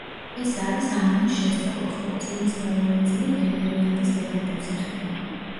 ეს არის ამანის შესწავლა, ხოლო წიგნის მეორე ნაწილი ბელერიანდის ლეგენდებს ეხება.